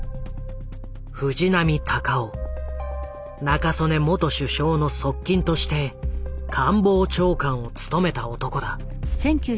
中曽根元首相の側近として官房長官を務めた男だ。